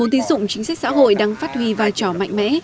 tín dụng chính sách xã hội đang phát huy vai trò mạnh mẽ